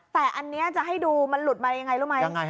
แต่อันนี้จะให้ดูมันหลุดมายังไงรู้ไหม